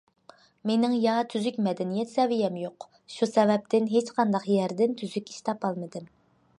مېنىڭ يا تۈزۈك مەدەنىيەت سەۋىيەم يوق، شۇ سەۋەبتىن ھېچقانداق يەردىن تۈزۈك ئىش تاپالمىدىم.